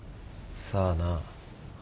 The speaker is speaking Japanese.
さあな。